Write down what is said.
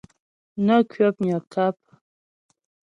Nə́ kwəpnyə́ ŋkâp.